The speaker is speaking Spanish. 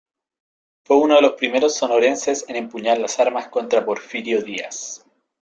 Fue uno de los primeros Sonorenses en empuñar las armas contra Porfirio Díaz.